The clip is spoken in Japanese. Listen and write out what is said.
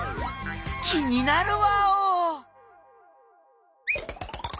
気になるワオ！